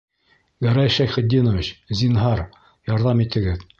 Гәрәй Шәйхетдинович, зинһар, ярҙам итегеҙ...